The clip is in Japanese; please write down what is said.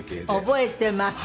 覚えてます。